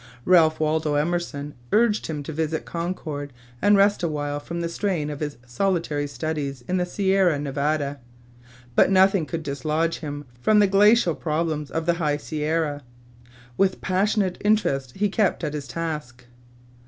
Ralph Waldo Emerson urged him to visit Concord and rest awhile from the strain of his solitary studies in the Sierra Nevada. But nothing could dislodge him from the glacial problems of the high Sierra; with passionate interest he kept at his task.